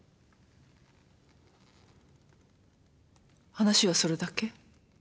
話はそれだけ？